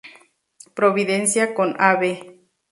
Providencia con Av.